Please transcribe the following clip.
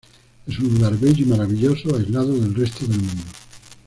Es un lugar bello y maravilloso aislado del resto del mundo.